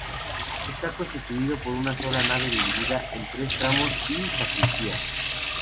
Está constituido por una sola nave dividida en tres tramos y sacristía.